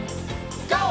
ＧＯ！